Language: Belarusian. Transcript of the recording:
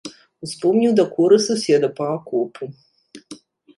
Успомніў дакоры суседа па акопу.